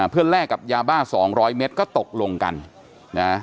เพื่อแลกกับยาบ้า๒๐๐เมตรก็ตกลงกันนะ